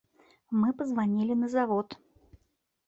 Мы пазванілі на завод.